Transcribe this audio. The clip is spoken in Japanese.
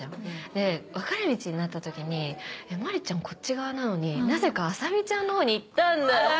で別れ道になった時に真里ちゃんこっち側なのになぜか麻美ちゃんのほうに行ったんだよね。